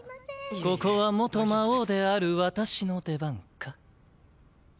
ここは元魔王である私の出番か？